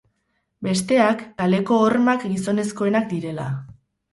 Besteak, kaleko hormak gizonezkoenak direla.